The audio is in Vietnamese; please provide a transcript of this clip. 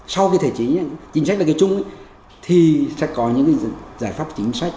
sau cái thể chế chính sách là cái chung thì sẽ có những cái giải pháp chính sách